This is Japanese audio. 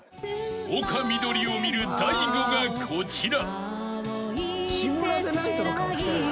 ［丘みどりを見る大悟がこちら］